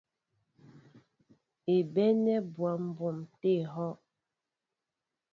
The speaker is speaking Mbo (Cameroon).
É bénɛ̂ mbwa mbwa tê ehɔ́’.